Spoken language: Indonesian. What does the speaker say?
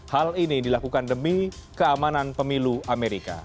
hal ini dilakukan demi keamanan pemilu amerika